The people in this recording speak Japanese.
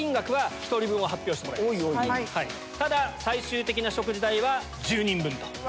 ただ最終的な食事代は１０人分。